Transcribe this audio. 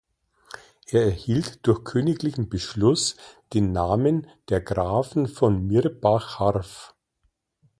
Er erhielt durch königlichen Beschluss den Namen der Grafen von Mirbach-Harff.